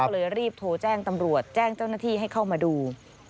ก็เลยรีบโทรแจ้งตำรวจแจ้งเจ้าหน้าที่ให้เข้ามาดู